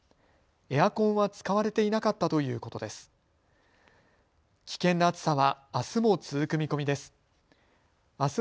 エアコンは使われていなかったということです。